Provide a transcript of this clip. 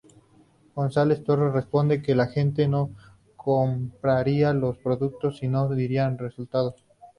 González Torres responde que la gente no compraría los productos si no dieran resultado.